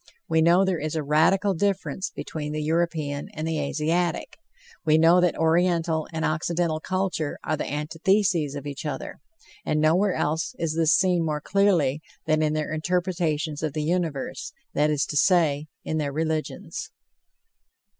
We know there is a radical difference between the European and the Asiatic; we know that Oriental and Occidental culture are the antitheses of each other, and nowhere else is this seen more clearly than in their interpretations of the universe, that is to say, in their religions.